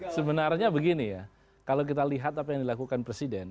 sebenarnya begini ya kalau kita lihat apa yang dilakukan presiden